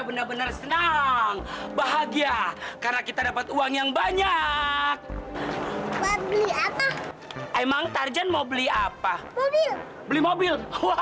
bener bener senang bahagia karena kita dapat uang yang banyak emang tarzan mau beli apa beli mobil